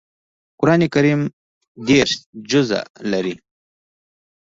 قران کریم دېرش جزء لري